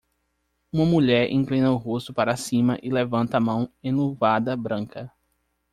Uma mulher inclina o rosto para cima e levanta a mão enluvada branca